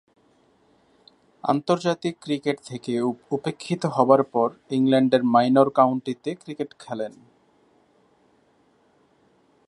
আন্তর্জাতিক ক্রিকেট থেকে উপেক্ষিত হবার পর ইংল্যান্ডের মাইনর কাউন্টিতে ক্রিকেট খেলেন।